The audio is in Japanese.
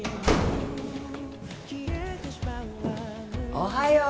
・おはよう。